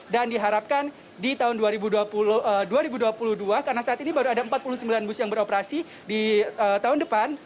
dan diharapkan di tahun dua ribu dua puluh dua karena saat ini baru ada empat puluh sembilan bus yang beroperasi di tahun depan